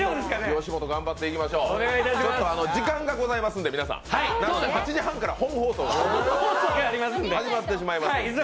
吉本、頑張っていきましょう時間がございますので、皆さん、８時半から本放送が始まってしまいます。